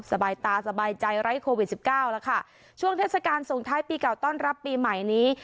สบายตาสบายใจไร้โควิดสิบเก้าแล้วค่ะช่วงเทศกาลส่งท้ายปีเก่าต้อนรับปีใหม่นี้